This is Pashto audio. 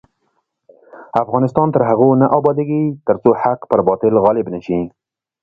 افغانستان تر هغو نه ابادیږي، ترڅو حق پر باطل غالب نشي.